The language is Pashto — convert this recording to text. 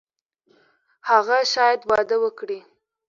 هغه شاید واده وکړي.